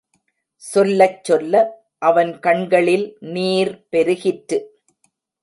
சொல்லச் சொல்ல, அவன் கண்களில் நீர் பெருகிற்று.